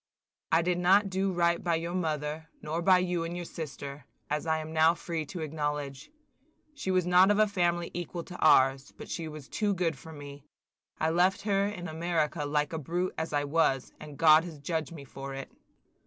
I did not do right by your mother, nor by you and your sister, as I am now free to acknowledge. She was not of a family equal to ours, but she was too good for me. I left her in America like a brute as I was, and God has judged me for it.